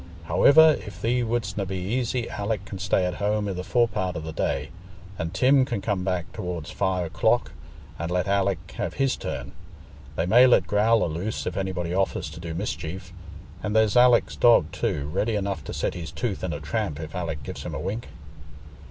Howiver, if thee wouldstna be easy, Alick can stay at home i' the forepart o' the day, and Tim can come back tow'rds five o'clock, and let Alick have his turn. They may let Growler loose if anybody offers to do mischief, and there's Alick's dog too, ready enough to set his tooth in a tramp if Alick gives him a wink."